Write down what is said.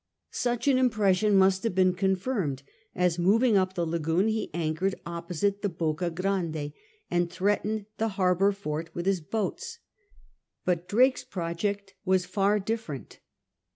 Such an impression must have been confirmed as, moving up the lagoon, he anchored opposite the Bocm Grande and threatened the harbour fort with his boats : but Drake's project was far different.